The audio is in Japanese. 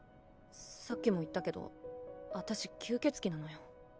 さっきも言ったけどあたし吸血鬼なのよ。